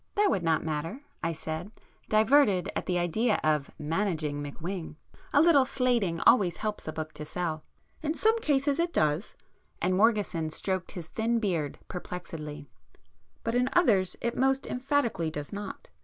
"That would not matter," I said, diverted at the idea of 'managing McWhing,'—"A little slating always helps a book to sell." [p 101]"In some cases it does,"—and Morgeson stroked his thin beard perplexedly—"But in others it most emphatically does not.